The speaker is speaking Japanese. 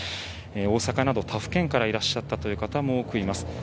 大阪など他府県からいらっしゃった方もいらっしゃいます。